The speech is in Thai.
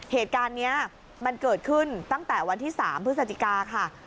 เหตุการณ์นี้มันเกิดขึ้นตั้งแต่วันที่๓พฤศจิกาค่ะ